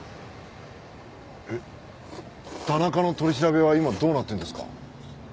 えっ田中の取り調べは今どうなってんですか？